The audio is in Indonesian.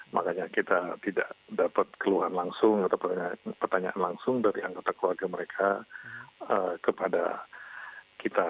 makanya kita tidak dapat keluhan langsung atau pertanyaan langsung dari anggota keluarga mereka kepada kita